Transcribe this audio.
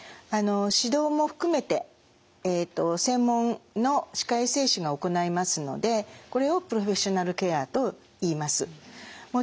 指導も含めて専門の歯科衛生士が行いますのでこれをプロフェッショナルケアといいます。